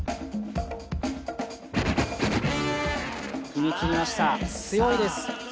決めきりました、強いです。